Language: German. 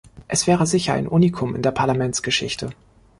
Es wäre sicher ein Unikum in der Parlamentsgeschichte.